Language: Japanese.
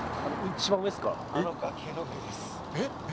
一番上です。